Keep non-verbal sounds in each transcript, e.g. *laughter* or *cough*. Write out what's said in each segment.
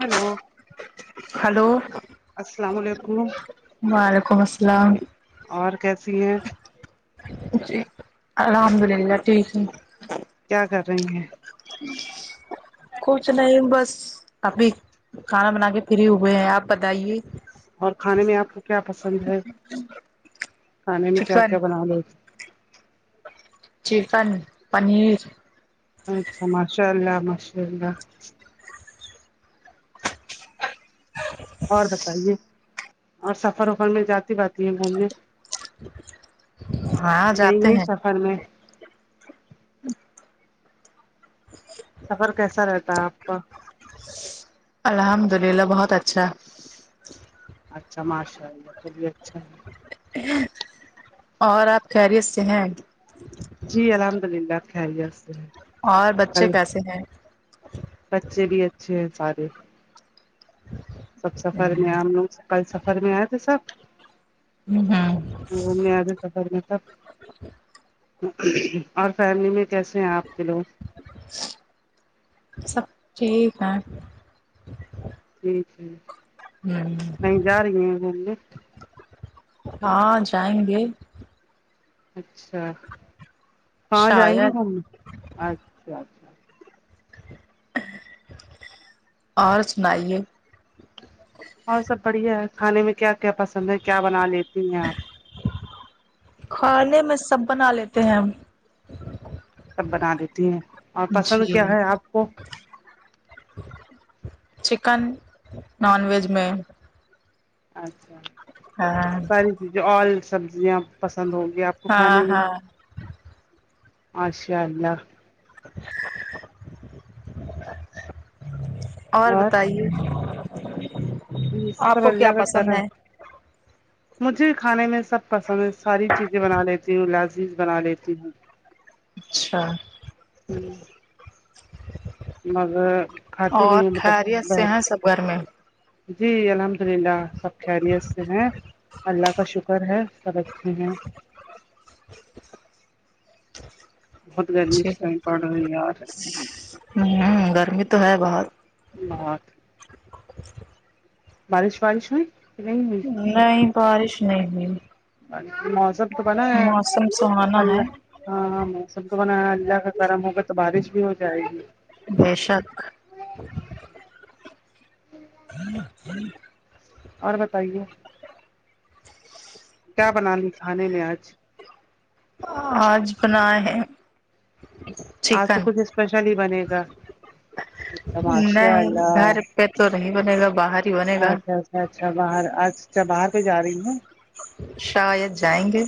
Hello hello السلام علیکم وعلیکم السلام اور کیسی ہیں جی الحمد للہ ٹھیک ہے کیا کر رہی ہیں کچھ نہیں بس ابھی کھانا بنا کے فری ہوئے ہیں آپ بتائیے اور کھانے میں آپ کو کیا پسند ہے کھانے میں کیا چکن کیا بنا ل چکن پنیر اچھا ماشاء اللہ ماشاء اللہ ج اور بتائیے اور سفر وفر میں جاتی باتی ہے گھومنے ہاں گئی جاتے گئی ہیں سفر میں سفر کیسا رہتا ہے آپ کا الحمد للہ بہت اچھا اچھا ماشاء اللہ سبھی اچھا ہے اور آپ خیریت سے ہیں جی الحمد للہ خری سے ہیں اور بچے کیسے ہیں بچے بھی اچھے ہیں سارے سب سفر میں ہم لوگ کل سفر میں آئے تھے سب ہم گھومنے اتے سفر میں سب اور فیملی میں کیسے ہیں آپ کے لوگ سب ٹھیک ہے جٹھ ہے ہ کہیں جا رہی ہیں گھومنے ہاں جائیں گے اچھا کہاں جائیں گے شاید گھومنے اچھاچ اور سنائیے اور سب بڑھیا ہے کھانے میں کیا کیا پسند ہے کیا بنا لیتی ہیں آپ کھانے میں سب بنا لیتے ہیں ہم سب بنا دیتی ہیں اور پسند جی کیا ہے آپ کو چکن نان ویج میں اچھا ہاں جی جی آل سبزیاں پسند ہوں گی آپ کو ہاں کھانے میں ہاں ماشا اللہ اور بتائیے مس آپ سب کو اللہ کیا کا پسند کرام ہے مجھے کھانے میں سب پسند ہے ساری چیزیں بنا لیتی ہوں لذیذ بنا لیتی ہوں اچھا ہوں مگر کھاتی بھی اور ہوں مطلب خیریت سے بہت ہیں سب گھر میں جی الحمد للہ سب خیریت سے ہیں اللہ کا شکر ہے سب اچھے ہیں بہت گرمی اس ٹائم پڑ رہی ہے اور گرمی تو ہے بہت بہت بارش وارش ہوی کہ نہیں ہوئی نہیں بارش نہیں ہوئی موسم تو بنا ہے موسم سہانا ہے اللہ ہاں ہاں موسم تو بن اللہ کا کرم ہوگا تو بارش بھی ہو جائے گی بے شک ہاں ہ اور بتائیے کیا بنالی کھانے میں آج آج بنا ہے آج تو کچھ اسپیشل ہی بنے گا اچھا ماشاء نہیں اللہ گھر پہ تو نہیں بنے گا باہر ہی بنے گا اچھا اچھا اچھا باہر اچھا باہر کوجا رہی ہو شاید جائیں گے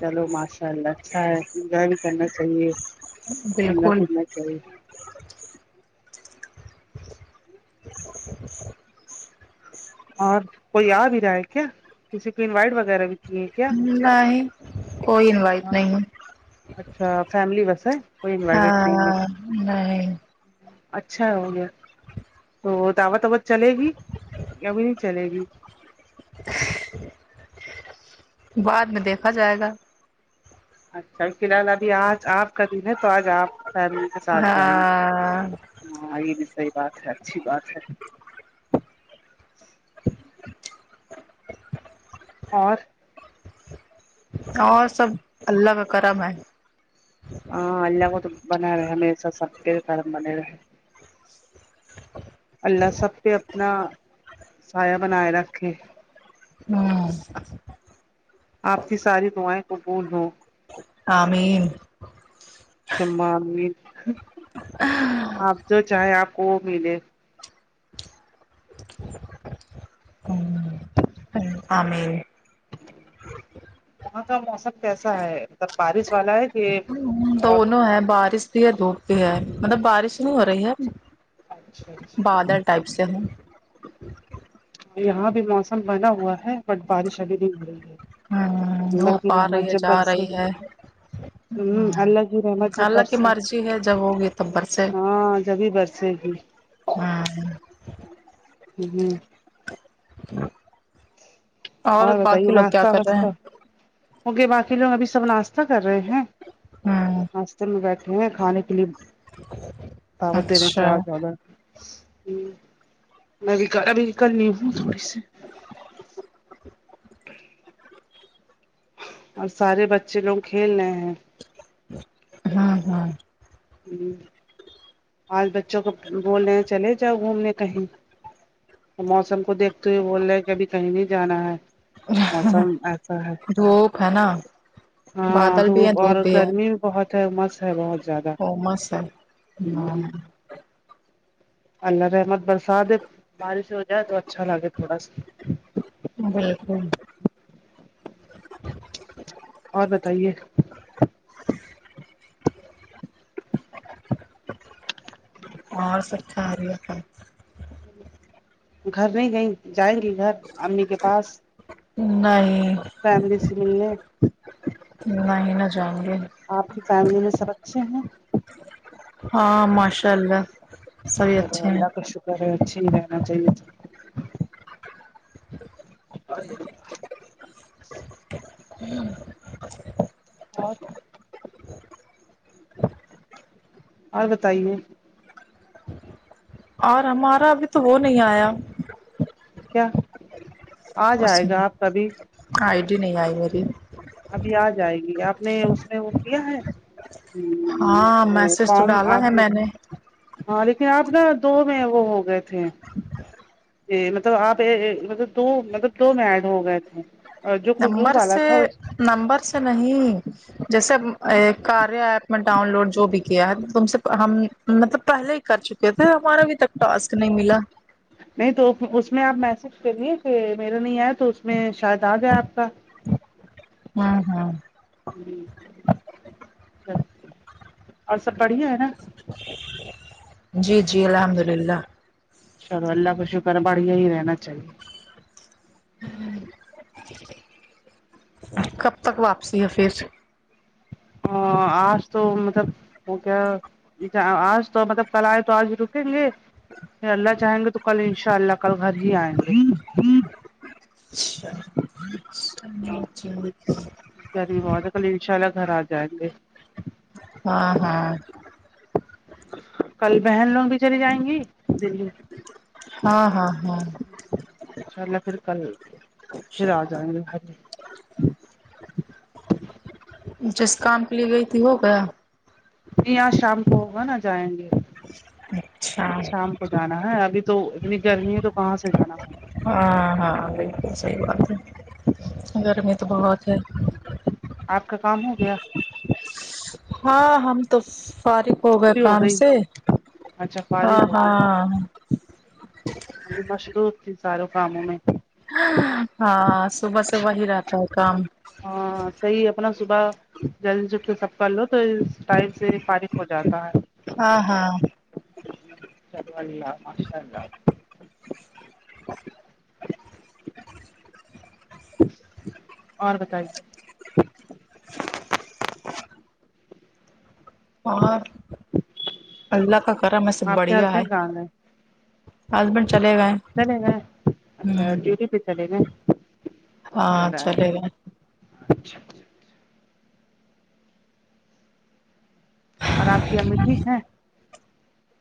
چلو ماشاء اللہ اچھا ہے انجوائے بھی کرنا چاہیے گھومنا بالکل پھرنا چاہیے اور کوئی آ بھی رہا ہے کیا کسی کو انوائٹ وغیرہ بھی کیے کیا نہیں کوئی انوائٹ نہیں اچھا فیملی بس ہے کوئی انوائٹیڈ نہیں ہے ہاں نہیں اچھا ہو گیا تو وہ دعوت ووت چلے گی یا وہہی نہیں چلے گی بعد میں دیکھا جائے گا اچھا فی الحال ابھی آج آپ کا دن ہے تو آج آپ فیملی کے ساتھ جائیں گے ہاں ہاں یہ بھی صحی بات ہے اچھی بات ہے اور اور سب اللہ کا کرم ہے ہاں اللہ کو تو بنا رہے ہمیشہ سب کے کارم بنے رہے اللہ سب پہ اپنا سایہ بنائے رکھے ہوں آپ کی ساری دعائیں قبول ہو آ مین سمما امین *inaudible* آپ جو چاہیں آپ کو وہ ملے آ مین وہاں کا موسم کیسا ہے مطلب بارش والا ہے کہ اور دونوں ہے بارش بھی ہے دھوپ بھی ہے مطلب بارش نہیں ہو رہی ہے اچھا اچھا بادر ٹائپ سے ہوں یہاں بھی موسم بنا ہوا ہے بٹ بارش ابھی نہیں ہو رہی ہے ہوں اللہ کی دھوپ آ رہی رحمت ہے جب بر جا سے رہی ہے ہ اللہ کی رحمت جب اللہ کی برس مرضی ہے جب ہوگی تب برسے ہاں جبھی برس جی جی ہاں ہ ہ اور بتائیے باقی لوگ کیا ناشتہ کر رہے واشتہ ہیں ہو گ باقی لوگ ابھی سب ناشتہ کر رہے ہیں ہوں ناشتے میں بیٹھے ہوئے کھانے کے لیے دعوت دے رہے ہیں اچھا چار چادر ہ میں بھی ابھی کلنی ہوں تھوڑی سی اور سارے بچے لوگ کھیل رہے ہیں ہوں ہوں ہ آج بچوں کو بول رہے ہیں چلے جاؤ گھومنے کہیں تو موسم کو دیکھتے ہوئے بول رہے ہیں کہ ابھی کہیں نہیں جانا ہے موسم دھوپ ہے نا ہاں بادل بھی ہے دھوپ اور بھی ہے گرمی بہت ہے مس ہے بہت زیادہ *unintelligible* اللہ رحمت برسات ہے بارش ہو جائے تو اچھا لگے تھوڑا سا بالکل اور بتائیے اور سچھا رہ ہے گھر نہیں گئییں جائیں گی گھر امی کے پاس نہیں فملی سے ملنے نہ ہی نہ جائیں گے آپ کی فیملی میں سب اچھے ہیں ہاں ماشاء اللہ سبھی چلو اچھے ہیں اللہ کا شکر ہے اچھی ہی رہنا چاہیے *inaudible* ہوں اور اور بتایے اور ہمارا ابھی تو وہ نہیں آیا کیا آ اس جائے گا میں آپ کا کبھی آئی ڈی نہیں آئی میری ابھی آ جائے گی آپ نے اس میں وہ کیا ہے ہاں میسج تو فارم ڈالا ہے آپ میں نے ہاں لیکن آپ نا دو میں وہ ہو گئے تھے جی مطلب آپ مطلب دو مطلب دو میں ایڈ ہو گئے تھے اور جو خوشبو نمبر والا سے تھا اس نمبر سے نہیں جیسے کاریہ ایپ میں ڈاؤن لوڈ جو بھی کیا ہے تم سے ہم مطلب پہلے کر چکے تھے ہمارا ابھی تک ٹاسک نہیں ملا نہیں تو اس میں آپ میسج کریے کہ میرا نہیں آئے تو اس میں شاید آ جائے آپ کا ہاں ہاں جی اور سب بڑھیا ہے نہ جی جی الحمد للہ چلو اللہ کا شکر ہے بڑھیا ہی رہنا چاہیے کب تک واپسی ہے پھر ہ آج تو مطلب وہ کیا آج تو مطلب کل آئے تو آج رکیں گے پھر اللہ جاہیں گے تو کل ان شاء اللہ کل گھر ہی آئیں گے ہاں *inaudible* گرمی بہت ہے کل ان شاء اللہ گھر آ جائیں گے ہاں ہاں کل بہن لوگ بھی چلی جائیں گی دلی ہاں ہاں ہاں ان شاء اللہ پھر کل پھر آ جائیں گے جس کام کے لیے گئی تھی ہو گیا جی آج شام کو ہوگا نا جائیں گے اچھا شام کو جانا ہے ابھی تو اتنی گرمی ہے تو کہاں سے جانا ہوگا ہاں ہاں بالکل صحیح بات ہے گرمی تو بہت ہے آپ کا کام ہو گیا ہاں ہم تو فارغ ہو گئے فری کام گئی سے اچھا ہاں فارغ ہو گئی ہاں ہم بھی مصروف تھی سارے کاموں میں ہاں صبح سے وہی رہتا ہے کام ہاں صحیح اپنا صبح جلدی سے سب کر لو تو اس ٹائم سے فارغ ہوجاتا ہے ہاں ہاں چلو الله ماشاء اللہ اور بتائیے اور اللہ کا کرم ہےسب آپ کے بڑھیا ہے ہسبینڈ کہاں گئے ہسبینڈ چلے گئے چلے گئے اچھا ہمم ڈیوٹی پہ چلے گۓ ہاں چلے گا اچھا اچھا اور آپ کی امی ٹھیک ہے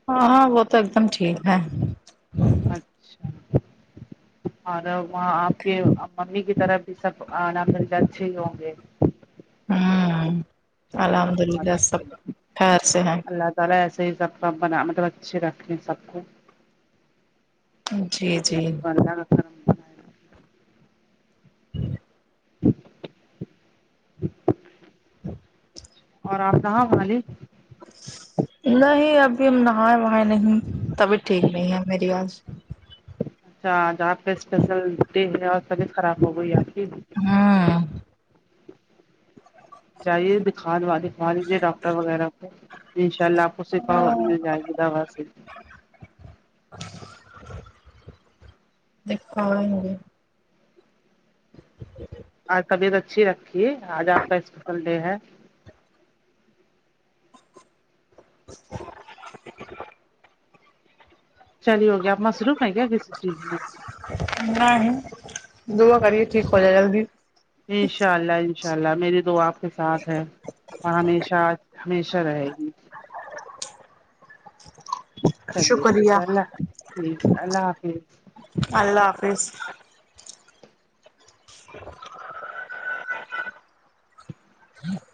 ہاں ہاں وہ تو ایک دم ٹھیک ہے اچھا اور وہاں آپ کے ممی کی طرف بھی سب *unintelligible* اچھے ہی ہوں گے ہوں چلو الحمد للہ سب خیر سے ہیں الله تعالی ایسے ہی سب کا بنا مطلب اچھے رکھ سب کو جی جی سب کو اللہ کا کرم بنائے رکھے۔ ہ اور آپ نہالی نہیں ابھی ہم نہائے وہائے نہیں طبیعت ٹھیک نہیں ہے میری آج اچھا آج آپ کا اسپیشل ڈے ہے اور طبیعت خراب ہو گئی آپ کی ہاں جائیے دکھوالجیے ڈاکٹر وغیرہ کو انشا الله شفا مل جائے گی دوا سے دیکھایںگے جی *inaudible* آج طبیعت اچھی رکھیے آج آپ کا اسپیشل ڈے ہے *inaudible* چلیے ہو گیا آپ مصروف ہے کیا کسی چیز میں نہیں دعا کریے ٹھیک ہو جائے جلدی انشاء اللہ انشاء اللہ میری دعا آپ کے ساتھ ہے اور ہمیشہ ہمیشہ رہے گی *inaudible* چلیے ٹھیک شکریہ ہے اللہ ٹھیک ہے اللہ حافظ اللہ حافظ *inaudible* ہاں